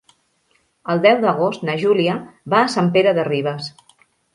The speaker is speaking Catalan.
El deu d'agost na Júlia va a Sant Pere de Ribes.